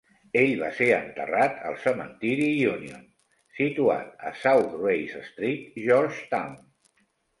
Ell va ser enterrat al Cementiri Union, situat a South Race Street, Georgetown.